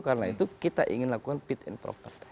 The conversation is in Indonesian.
karena itu kita ingin lakukan fit and proper test